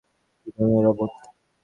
কি ধরনের রোবট?